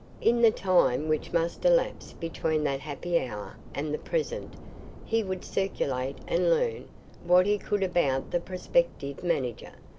In the time which must elapse between that happy hour and the present, he would circulate and learn what he could about the prospective manager.